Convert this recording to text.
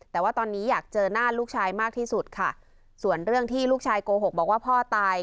แต่ว่าตอนนี้อยากเจอหน้าลูกชายมากที่สุดค่ะส่วนเรื่องที่ลูกชายโกหกบอกว่าพ่อตาย